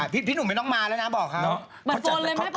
พี่หนุ่มไม่ต้องมาแล้วนะบอกเขา